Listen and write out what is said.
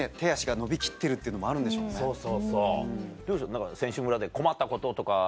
何か選手村で困ったこととか